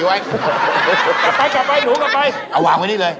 เอาวางไว้นี่เลย